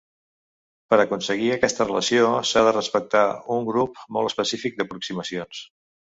Per aconseguir aquesta relació s'ha de respectar un grup molt específic d'aproximacions.